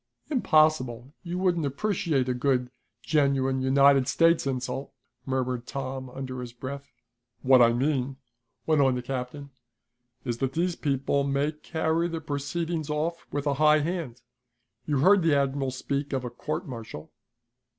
"Impossible; you wouldn't appreciate a good, genuine United States insult," murmured Tom under his breath. "What I mean," went on the captain, "is that these people may carry the proceedings off with a high hand. You heard the admiral speak of a court martial."